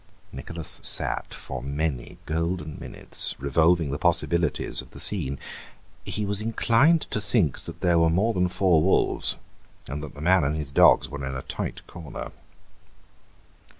Nicholas sat for many golden minutes revolving the possibilities of the scene; he was inclined to think that there were more than four wolves and that the man and his dogs were in a tight corner.